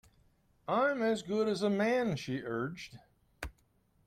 I'm as good as a man, she urged.